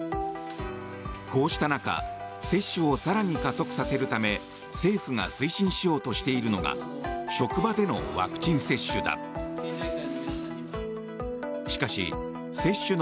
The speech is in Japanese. こうした中接種を更に加速させるため政府が推進しようとしているのが職場でのワクチン接種だ。